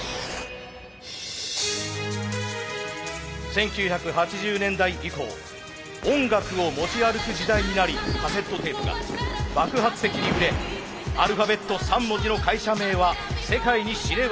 １９８０年代以降音楽を持ち歩く時代になりカセットテープが爆発的に売れアルファベット３文字の会社名は世界に知れ渡りました。